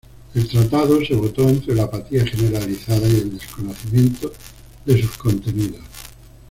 El tratado se votó entre la apatía generalizada y el desconocimiento de sus contenidos.